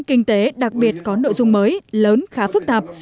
kinh tế đặc biệt có nội dung mới lớn khá phức tạp